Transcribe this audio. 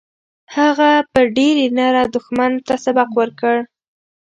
هغه په ډېرې نره دښمن ته سبق ورکړ.